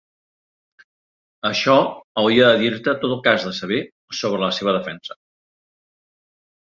Això hauria de dir-te tot el que has de saber sobre la seva defensa.